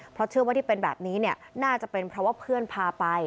เพราะเชื่อว่าที่เป็นแบบนี้เนี่ยน่าจะเป็นเพราะว่าเพื่อนพาไป